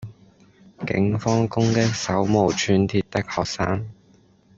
警方攻擊手無寸鐵的學生